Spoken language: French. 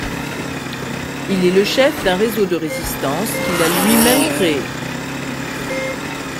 Il est le chef d'un réseau de résistance qu'il a lui-même créé.